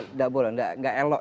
tidak boleh tidak elok